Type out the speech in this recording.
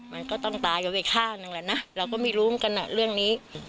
มันก็ต้องตายกันไปข้างหนึ่งแหละนะเราก็ไม่รู้เหมือนกันเรื่องนี้